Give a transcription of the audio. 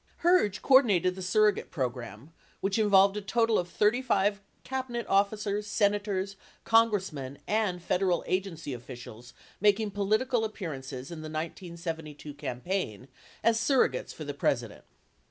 Herge coordinated the surrogate program, which involved a total of 35 Cabinet officers, Senators, Congressmen and Federal agency of ficials making political appearances in the 1972 campaign as surro gates for the President.